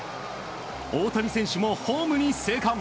大谷選手もホームに生還！